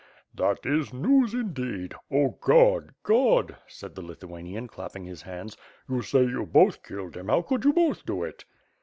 "That is news indeed! 0 God, Qod!" said the Lithuanian clapping his hands, "You say you both killed him, how could you both do it?"